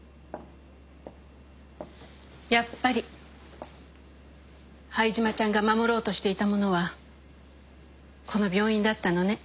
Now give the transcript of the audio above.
・やっぱり灰島ちゃんが守ろうとしていたものはこの病院だったのね。